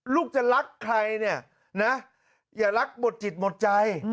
ลูกจะรักใครเนี่ยนะอย่ารักหมดจิตหมดใจ